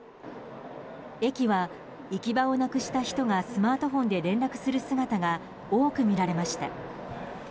駅は、行き場をなくした人がスマートフォンで連絡する姿が多くみられました。